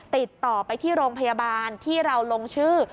ติดต่อไปที่โรงพยาบาลที่เราลงชื่อ